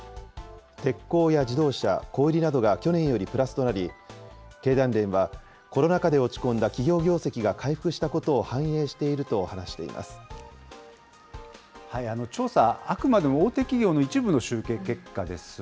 鉄鋼や自動車、小売りなどが去年よりプラスとなり、経団連は、コロナ禍で落ち込んだ企業業績が回復したことを反映していると話調査、あくまでも大手企業の一部の集計結果です。